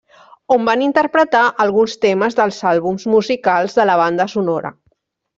On van interpretar alguns temes dels àlbums musicals de la banda sonora.